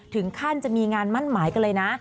ถึงขั้นจะมีงานมั่นหมายกันเลยนะ